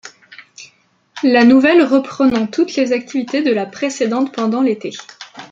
La nouvelle reprenant toutes les activités de la précédente pendant l’été.